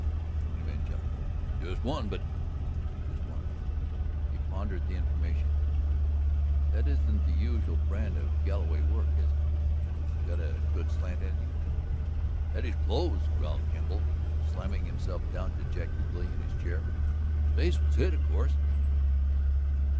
"How many men jumped you?" "Just one. But ..." "Just one, eh?" He pondered the information. "That isn't the usual brand of Galloway work, is it? Get a good slant at him?" "At his clothes," growled Kemble, slamming himself down dejectedly in his chair. "His face was hid, of course."